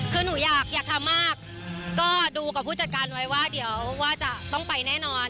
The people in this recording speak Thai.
คือหนูอยากทำมากก็ดูกับผู้จัดการไว้ว่าเดี๋ยวว่าจะต้องไปแน่นอน